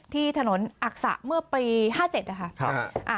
ที่ถนนอักษะเมื่อปี๕๗นะคะ